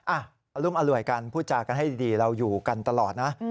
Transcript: อารมณ์อร่วยกันพูดจากันให้ดีเราอยู่กันตลอดนะ